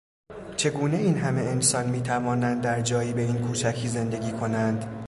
چگونه این همه انسان می توانند در جایی به این کوچکی زندگی کنند؟